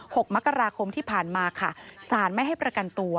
หกมกราคมที่ผ่านมาค่ะสารไม่ให้ประกันตัว